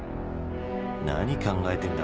何考えてんだ！？